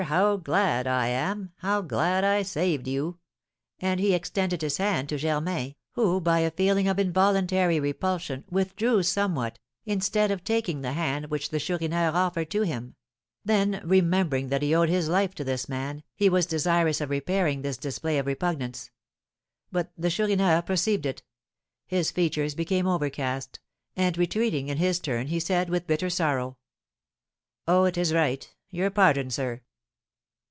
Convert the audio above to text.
How glad I am! How glad I saved you!" and he extended his hand to Germain, who, by a feeling of involuntary repulsion, withdrew somewhat, instead of taking the hand which the Chourineur offered to him; then, remembering that he owed his life to this man, he was desirous of repairing this display of repugnance. But the Chourineur perceived it; his features became overcast, and, retreating in his turn, he said, with bitter sorrow, "Oh, it is right; your pardon, sir!"